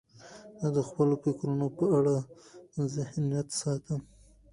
زه د خپلو فکرونو په اړه ذهنیت ساتم.